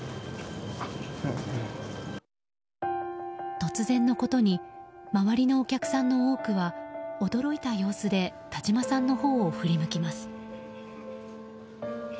突然のことに周りのお客さんの多くは驚いた様子で田島さんのほうを振り向きます。